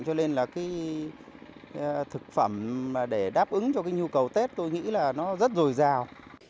cho nên là thực phẩm để đáp ứng cho nhu cầu tết tôi nghĩ là nó rất rồi rào